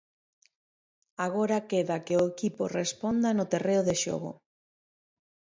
Agora queda que o equipo responda no terreo de xogo.